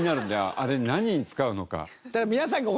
あれ何に使うのか。